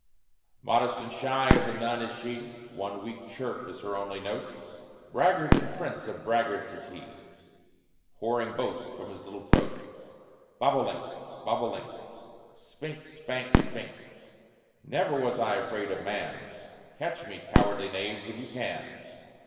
Modest and shy as a nun is she; One weak chirp is her only note. Braggart and prince of braggarts is he, Pouring boasts from his little throat: Bob o' link, bob o' link, Spink, spank, spink: Never was I afraid of man; Catch me, cowardly knaves, if you can!